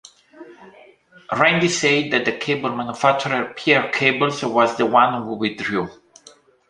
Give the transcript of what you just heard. Randi said that the cable manufacturer Pear Cables was the one who withdrew.